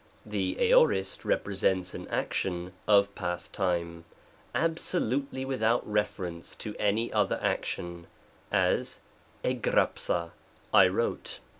The Aor. represents an action of past time, abso lutely without reference to any other action ; as, tygaipa^ " I wrote."